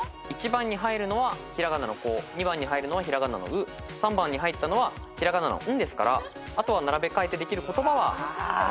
１番に入るのは平仮名の「こ」２番に入るのは平仮名の「う」３番に入ったのは平仮名の「ん」ですからあとは並べ替えてできる言葉は。